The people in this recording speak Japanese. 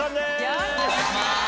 よろしくお願いします